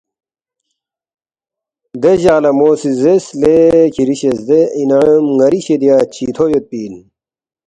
دے جق لہ مو سی زیرس، ”لے کِھری شزدے انعام ن٘ری شِدیا چِتھو یودپی اِن